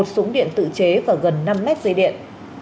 một súng điện tự chế và gần năm mét dây điện